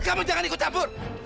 kamu jangan ikut campur